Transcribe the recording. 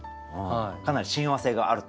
かなり親和性があると。